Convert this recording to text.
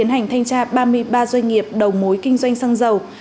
tiến hành thanh tra ba mươi ba doanh nghiệp đầu mối kinh doanh xăng dầu